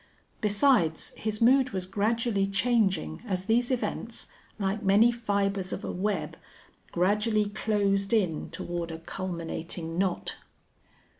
Besides, his mood was gradually changing as these events, like many fibers of a web, gradually closed in toward a culminating knot.